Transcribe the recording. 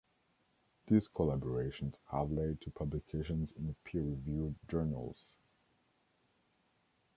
These collaborations have led to publications in peer-reviewed journals.